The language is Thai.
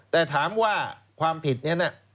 แต่ถามว่าความผิดนี้นะ